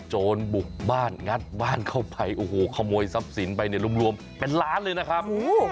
โจรบุกบ้านงัดบ้านเข้าไปโอ้โหขโมยทรัพย์สินไปเนี่ยรวมเป็นล้านเลยนะครับ